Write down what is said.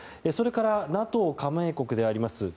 それからＮＡＴＯ加盟国であります